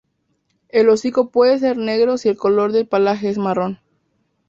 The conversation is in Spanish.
El hocico puede ser negro si el color del pelaje es marrón.